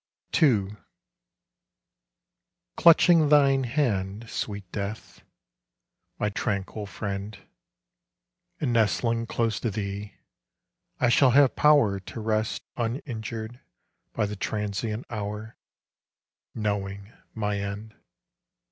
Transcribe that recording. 56 ARNOLD JAMES. II. CLUTCHING thine hand, sweet Death, my tranquil friend, And nestling close to thee, I shall have power To rest uninjured by the transient hour, Knowing my end.